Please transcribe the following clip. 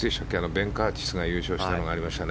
ベン・カーティスが優勝した時もありましたよね。